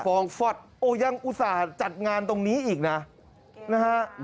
องฟอตโอ้ยังอุตส่าห์จัดงานตรงนี้อีกนะนะฮะ